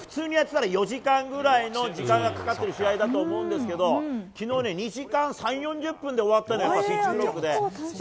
たぶん、普通にやってたら４時間ぐらいかかってる試合だと思うんですけど、きのうね、２時間３、４０分で終わったの、ピッチクロックで。